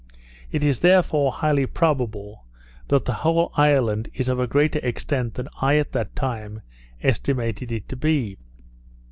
It is therefore highly probable, that the whole island is of a greater extent than I, at that time, estimated it to be.